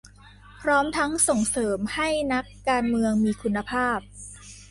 พร้อมทั้งส่งเสริมให้นักการเมืองมีคุณภาพ